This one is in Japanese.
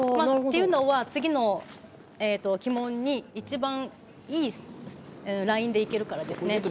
というのは次の旗門に一番いいラインでいけるからですね。